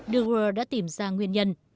de waal đã tìm ra nguyên nhân